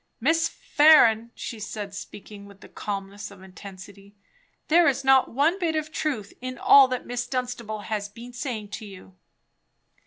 "Miss Farren," she said, speaking with the calmness of intensity, "there is not one bit of truth in all that Miss Dunstable has been saying to you."